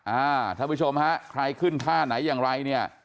อ่าท่านผู้ชมฮะใครขึ้นท่าไหนอย่างไรเนี่ย